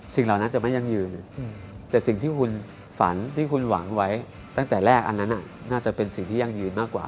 เหล่านั้นจะไม่ยั่งยืนแต่สิ่งที่คุณฝันที่คุณหวังไว้ตั้งแต่แรกอันนั้นน่าจะเป็นสิ่งที่ยั่งยืนมากกว่า